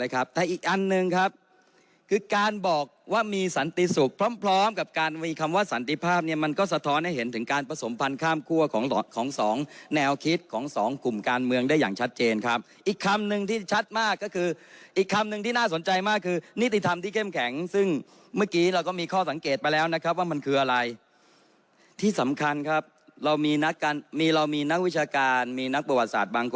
คือการบอกว่ามีสันติสุขพร้อมกับการมีคำว่าสันติภาพเนี่ยมันก็สะท้อนให้เห็นถึงการผสมพันธ์ข้ามคั่วของของสองแนวคิดของสองกลุ่มการเมืองได้อย่างชัดเจนครับอีกคำนึงที่ชัดมากก็คืออีกคำนึงที่น่าสนใจมากคือนิติธรรมที่เข้มแข็งซึ่งเมื่อกี้เราก็มีข้อสังเกตไปแล้วนะครับว่ามันค